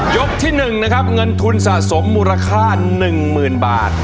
ยกที่หนึ่งนะครับเงินทุนสะสมมูลค่า๑หมื่นบาท